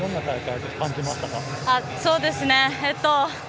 そうですね。